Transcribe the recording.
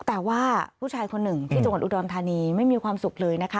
แต่ว่าผู้ชายคนหนึ่งที่จังหวัดอุดรธานีไม่มีความสุขเลยนะคะ